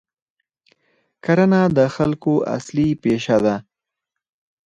کرنه د خلکو اصلي پیشه ده.